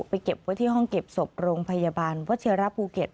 เก็บไว้ที่ห้องเก็บศพโรงพยาบาลวัชิระภูเก็ต